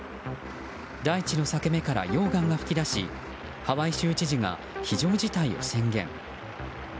大地の裂け目から溶岩が吹き出しハワイ州知事が非常事態を宣言。